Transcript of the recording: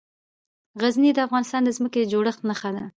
غزني د افغانستان د ځمکې د جوړښت نښه ده.